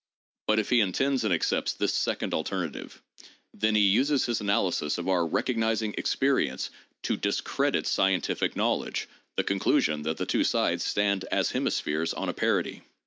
But if he intends and accepts this second alternative, then he uses his analysis of our recognizing experience to discredit scientific knowledge— the conclusion that the two sides stand as hemispheres on a parity.